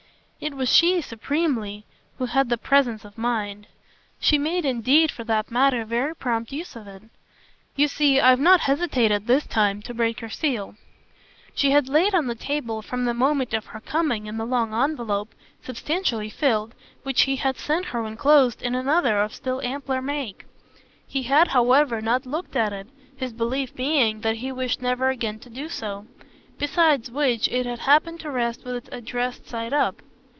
It was she, supremely, who had the presence of mind. She made indeed for that matter very prompt use of it. "You see I've not hesitated this time to break your seal." She had laid on the table from the moment of her coming in the long envelope, substantially filled, which he had sent her enclosed in another of still ampler make. He had however not looked at it his belief being that he wished never again to do so; besides which it had happened to rest with its addressed side up.